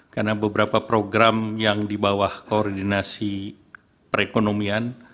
karena beberapa program yang di bawah koordinasi perekonomian